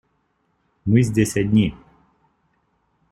Мы здесь одни.